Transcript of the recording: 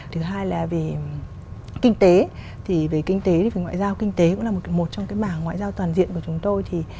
thứ hai là về kinh tế thì về kinh tế thì về ngoại giao kinh tế cũng là một trong cái mảng ngoại giao toàn diện của chúng tôi